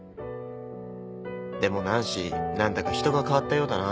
でもナンシー何だか人が変わったようだな。